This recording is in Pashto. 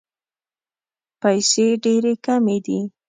پیسې ډېري کمي دي.